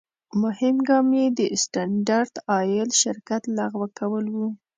مهم ګام یې د سټنډرد آیل شرکت لغوه کول و.